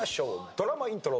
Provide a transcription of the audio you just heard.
ドラマイントロ。